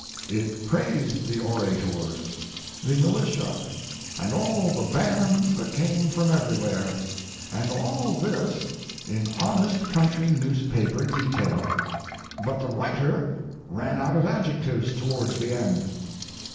It praised the orators, the militia, and all the bands that came from everywhere, and all this in honest country newspaper detail, but the writer ran out of adjectives toward the end.